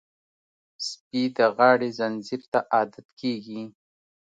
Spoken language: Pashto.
سپي د غاړې زنځیر ته عادت کېږي.